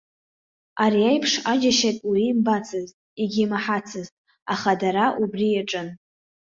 Ари аиԥш аџьашьатә уаҩы имбацызт, егьимаҳацызт, аха дара убри иаҿын.